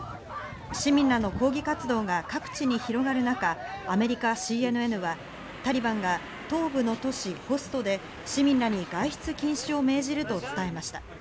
市民らの抗議活動が各地に広がる中、アメリカＣＮＮはタリバンが東部の都市ホストで市民らに外出禁止令を命じると伝えました。